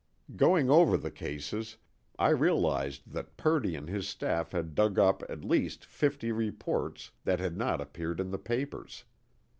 Going over the cases, I realized that Purdy and his staff had dug up at least fifty reports that had not appeared in the papers.